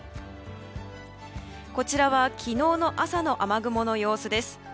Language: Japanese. こちらは昨日の朝の雨雲の様子です。